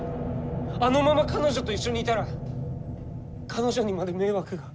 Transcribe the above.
あのまま彼女と一緒にいたら彼女にまで迷惑が。